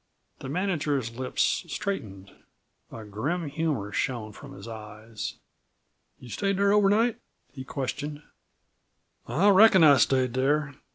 The manager's lips straightened. A grim humor shone from his eyes. "You stayed there over night?" he questioned. "I reckon I stayed there.